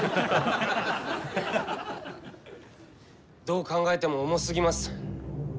どう考えても重すぎます。